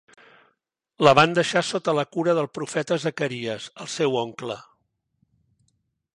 La van deixar sota la cura del profeta Zacaries, el seu oncle.